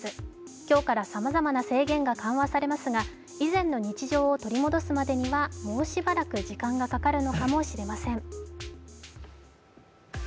今日からさまざまな制限が緩和されますが、以前の日常を取り戻すまでにはもうしばらく時間がかかるのかもしれません。